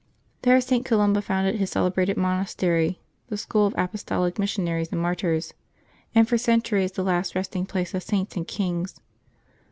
There St. Columba founded his celebrated monaster}^ the school of apostolic mission aries and martyrs, and for centuries the last resting place of Saints and kings.